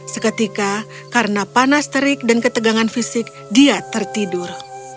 seketika karena panas terik dan ketegangan fisik dia tertidur